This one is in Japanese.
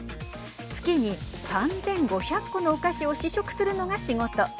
月に３５００個のお菓子を試食するのが仕事。